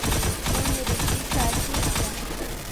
Kuyurikpika achiklla